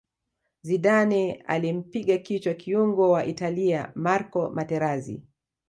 zidane alimpiga kichwa kiungo wa italia marco materazi